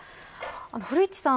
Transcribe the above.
古市さん